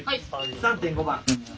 ３．５番。